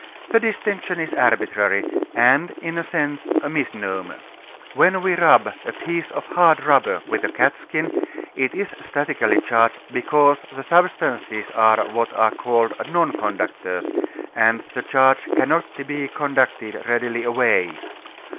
The distinction is arbitrary and in a sense a misnomer. When we rub a piece of hard rubber with a catskin it is statically charged because the substances are what are called non conductors, and the charge cannot be conducted readily away.